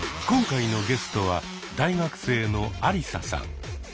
今回のゲストは大学生のアリサさん。